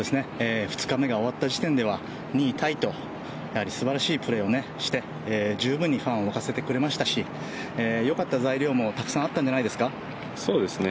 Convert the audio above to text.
２日目が終わった時点では２位タイとすばらしいプレーをして十分にファンを沸かせてくれましたし、よかった材料もたくさんあったんじゃないですか？